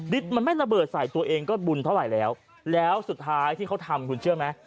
มันไม่ระเบิดใส่ตัวเองก็บุญเท่าไหร่แล้วแล้วสุดท้ายที่เขาทำคุณเชื่อไหม